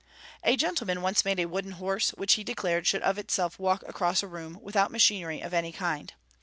A gentleman once made a wooden horse, which he declared should of itself walk across a room, without machinery of any kind.